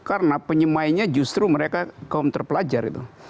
karena penyemainya justru mereka kaum terpelajar gitu